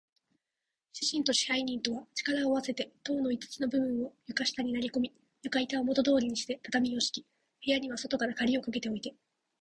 主人と支配人とは、力をあわせて塔の五つの部分を床下に投げこみ、床板をもとどおりにして、畳をしき、部屋には外からかぎをかけておいて、